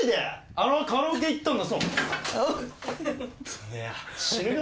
あのあとカラオケ行ったんだ。